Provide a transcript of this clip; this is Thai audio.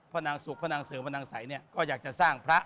นางสุขพระนางเสริมพระนางสัยเนี่ยก็อยากจะสร้างพระ